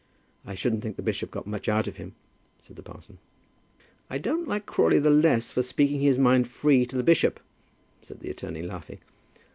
"I shouldn't think the bishop got much out of him," said the parson. "I don't like Crawley the less for speaking his mind free to the bishop," said the attorney, laughing.